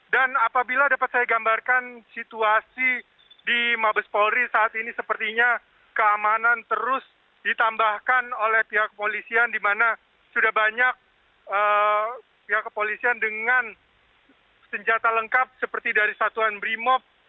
dan apabila dapat saya gambarkan situasi di mabes polri saat ini sepertinya keamanan terus ditambahkan oleh pihak kepolisian dimana sudah banyak pihak kepolisian dengan senjata lengkap seperti dari satuan brimob